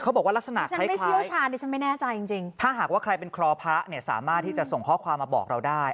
เขาบอกว่ารักษณะคล้ายถ้าหากว่าใครเป็นครอพระสามารถที่จะส่งข้อความมาบอกเราได้